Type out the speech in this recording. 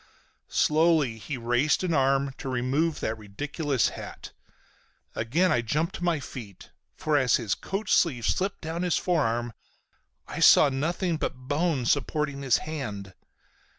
Slowly he raised an arm to remove that ridiculous hat. Again I jumped to my feet. For as his coat sleeve slipped down his forearm I saw nothing but bone supporting his hand.